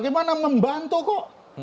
gimana membantu kok